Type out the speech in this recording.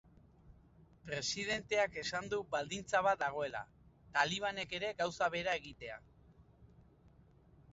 Presidenteak esan du baldintza bat dagoela, talibanek ere gauza bera egitea.